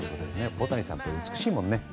小谷さん、美しいもんね。